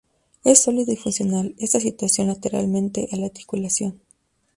Es sólido y funcional, está situado lateralmente a la articulación.